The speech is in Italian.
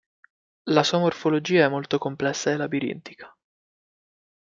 La sua morfologia è molto complessa e labirintica.